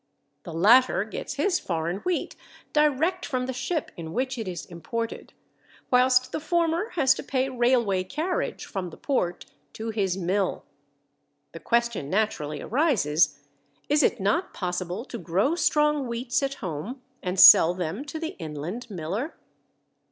The latter gets his foreign wheat direct from the ship in which it is imported, whilst the former has to pay railway carriage from the port to his mill. The question naturally arises is it not possible to grow strong wheats at home and sell them to the inland miller?